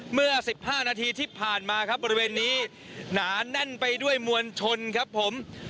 เมื่อ๑๕นาทีที่ผ่านมาครับบริเวณนี้หนาแน่นไปด้วยมวลชนครับผม